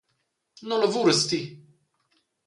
Nua lavuras ti?